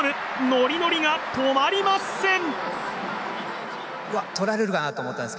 ノリノリが止まりません！